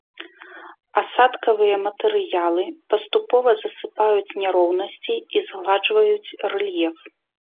Асадкавыя матэрыялы паступова засыпаюць няроўнасці і згладжваюць рэльеф.